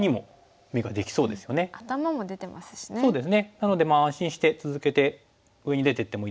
なので安心して続けて上に出ていってもいいですし。